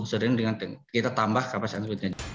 sebenarnya dengan kita tambah kapasitas transportasi